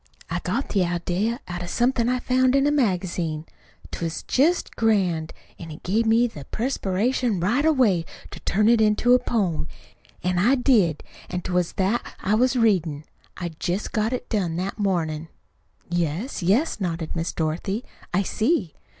I got the idea out of something I found in a magazine. 'T was jest grand; an' it give me the perspiration right away to turn it into a poem. An' I did. An' 't was that I was readin'. I'd jest got it done that mornin'." "Yes, yes," nodded Miss Dorothy. "I see."